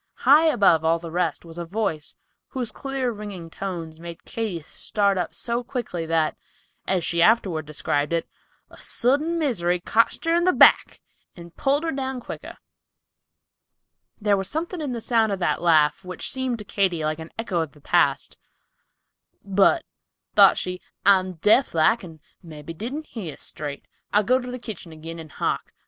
High above all the rest was a voice, whose clear, ringing tones made Katy start up so quickly that, as she afterward described it, "a sudden misery cotched her in the back, and pulled her down quicker." There was something in the sound of that laugh, which seemed to Katy like an echo of the past. "But," thought she, "I'm deaf like and mebby didn't hear straight. I'll go to the kitchen agin and hark."